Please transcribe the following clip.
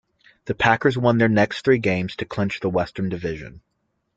The Packers won their next three games to clinch the Western Division.